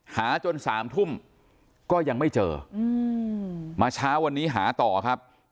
หาจน๓ทุ่มก็ยังไม่เจอมาเช้าวันนี้หาต่อครับ